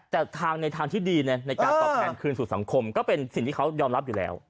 แต่ทางในทางที่ดีในการตอบแทนคืนสู่สังคมก็เป็นสิ่งที่เขายอมรับอยู่แล้ว